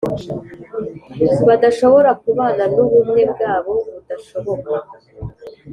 badashobora kubana, n’ubumwe bwabo budashoboka.